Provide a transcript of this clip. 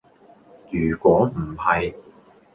如果唔係